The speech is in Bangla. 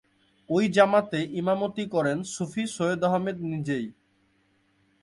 ওই জামাতে ইমামতি করেন সুফি সৈয়দ আহমেদ নিজেই।